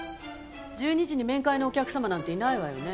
１２時に面会のお客様なんていないわよね？